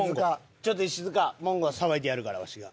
ちょっと石塚モンゴウさばいてやるからわしが。